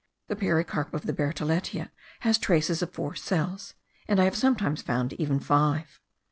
The pericarp of the bertholletia has traces of four cells, and I have sometimes found even five.